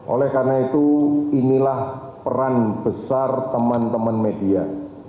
oleh karena itu inilah peran besar teman teman media